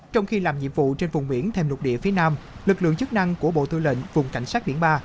trong khi làm nhiệm vụ trên vùng biển thêm lục địa phía nam lực lượng chức năng của bộ tư lệnh vùng cảnh sát biển ba